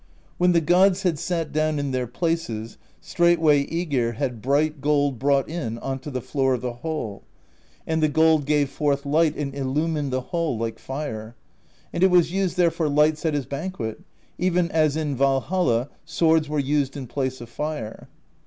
When the gods had sat down in their places, straightway ^Egir had bright gold 144 PROSE EDDA brought in onto the floor of the hall, and the gold gave forth light and illumined the hall like fire : and it was used there for lights at his banquet, even as in Valhall swords were used in place of fire.